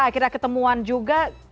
akhirnya ketemuan juga